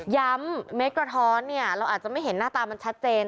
ย้ำเมกซ์กะท้อนนี่เราอาจจะไม่เห็นหน้าตามันชัดเจน